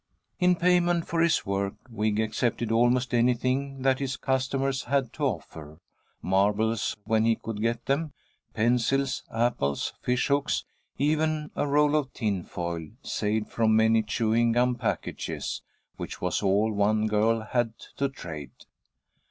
In payment for his work, Wig accepted almost anything that his customers had to offer: marbles, when he could get them, pencils, apples, fish hooks, even a roll of tin foil, saved from many chewing gum packages, which was all one girl had to trade.